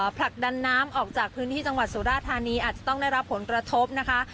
ผลักดันน้ำออกจากพื้นที่จังหวัดสุราธานีอาจจะต้องได้รับผลกระทบนะคะ